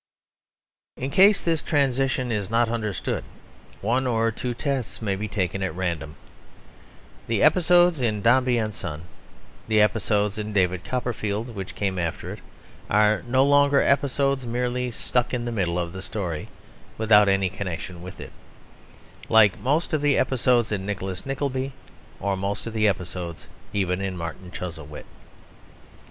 In case this transition is not understood, one or two tests may be taken at random. The episodes in Dombey and Son, the episodes in David Copperfield, which came after it, are no longer episodes merely stuck into the middle of the story without any connection with it, like most of the episodes in Nicholas Nickleby, or most of the episodes even in Martin Chuzzlewit.